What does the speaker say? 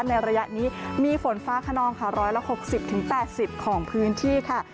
ในระยะนี้มีฝนฟ้าขนองค่ะ๑๖๐๘๐ของพื้นที่ค่ะ